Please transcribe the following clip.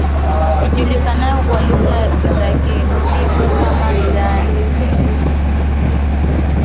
ijulikanayo kwa lugha za kimsimu kama dabbingUtumizi wa